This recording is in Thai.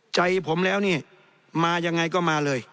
ใจผมแล้วนี่มายังไงก็มาเลย